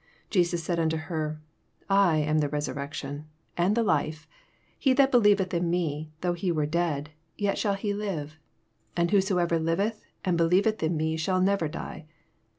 25 Jesus said unto her, I am the resurrection and the life: he that be lieveth in me, though he were dead, yet shall he live : 26 And whosoever liveth, and be lieveth in me shall never die.